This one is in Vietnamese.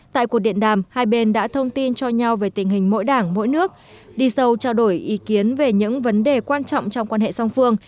tại cuộc điện đàm hai bên đã thông tin cho nhau về tình hình mỗi đảng mỗi nước đi sâu trao đổi ý kiến về những vấn đề quan trọng trong quan hệ song phương